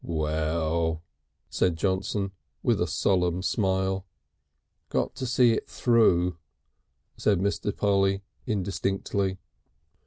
"Well!" said Johnson with a solemn smile. "Got to see it through," said Mr. Polly indistinctly.